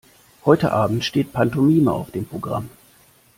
Heute Abend steht Pantomime auf dem Programm.